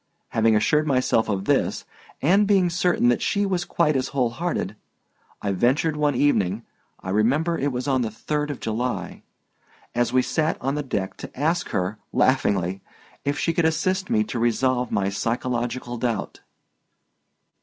Having assured myself of this and being certain that she was quite as whole hearted, I ventured one evening (I remember it was on the 3d of July) as we sat on deck to ask her, laughingly, if she could assist me to resolve my psychological doubt.